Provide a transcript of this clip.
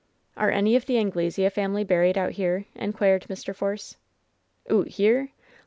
"Are any of the Anglesea family buried out here ?" inquired Mr. Force. "Oot here?